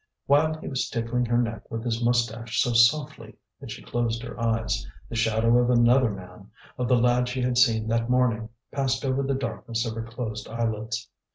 While he was tickling her neck with his moustache so softly that she closed her eyes, the shadow of another man, of the lad she had seen that morning, passed over the darkness of her closed eyelids.